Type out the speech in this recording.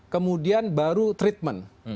kemudian baru treatment